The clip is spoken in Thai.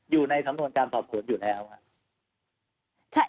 อยู่ในสำนวนการสอบสวนอยู่แล้วครับ